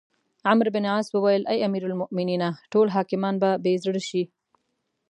عمروبن عاص وویل: اې امیرالمؤمنینه! ټول حاکمان به بې زړه شي.